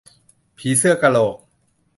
ผีเสื้อกะโหลก